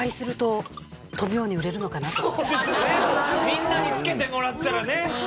みんなにつけてもらったらね。